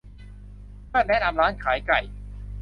เพื่อนแนะนำร้านขายไก่